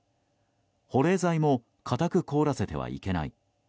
保冷剤も硬く凍らせてはいけない。